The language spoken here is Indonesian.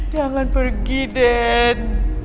jangan pergi den